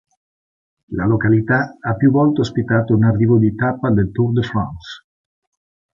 La località ha più volte ospitato un arrivo di tappa del Tour de France.